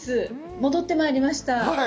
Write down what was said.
戻ってまいりました。